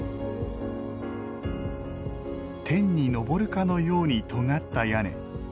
天にのぼるかのようにとがった屋根。